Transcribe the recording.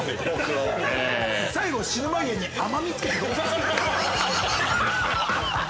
◆最後、死ぬ間際に甘みつけてどうする。